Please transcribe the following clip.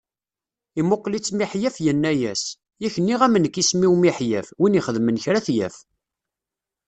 Imuqel-itt Miḥyaf yenna-as: Yak nniɣ-am nekk isem-iw Miḥyaf, win ixedmen kra ad t-yaf.